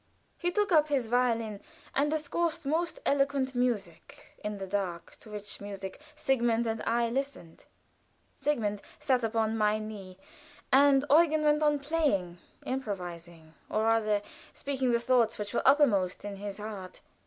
He took up his violin and discoursed most eloquent music, in the dark, to which music Sigmund and I listened. Sigmund sat upon my knee, and Eugen went on playing improvising, or rather speaking the thoughts which were uppermost in his heart.